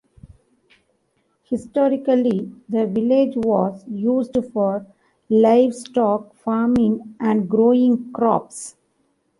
Historically, the village was used for livestock farming and growing crops.